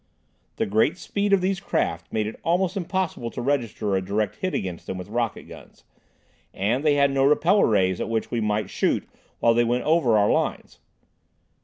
The great speed of these craft made it almost impossible to register a direct hit against them with rocket guns, and they had no repeller rays at which we might shoot while they were over our lines.